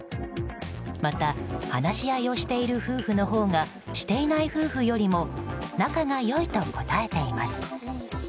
また、話し合いをしている夫婦のほうがしていない夫婦よりも仲が良いと答えています。